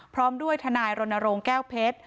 พร้อมด้วยทนายรณรงค์แก้วเพชร